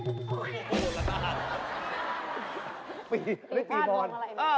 ตีป้านวงอะไรอ่ะปีปีบอด